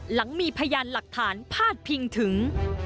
หลังมีพยานหลักฐานพาดพิงถึง